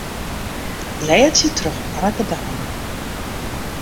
Blêdzje troch Anneke Douma.